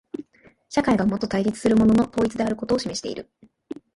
社会がもと対立するものの統一であることを示している。